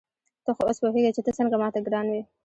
ته خو اوس پوهېږې چې ته څنګه ما ته ګران وې.